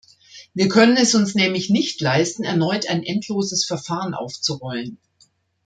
Wir können es uns nämlich nicht leisten, erneut ein endloses Verfahren aufzurollen.